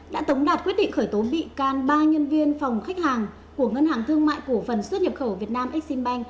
đã tống đạt quyết định khởi tố bị can ba nhân viên phòng khách hàng của ngân hàng thương mại cổ phần xuất nhập khẩu việt nam exim bank